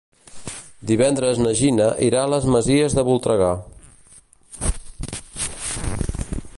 Divendres na Gina irà a les Masies de Voltregà.